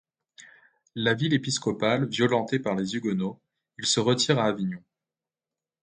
La ville épiscopale violentée par les hugenots, il se retire à Avignon.